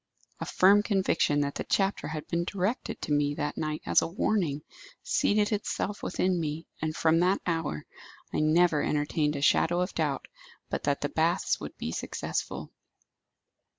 A firm conviction that the chapter had been directed to me that night as a warning, seated itself within me; and, from that hour, I never entertained a shadow of doubt but that the baths would be successful."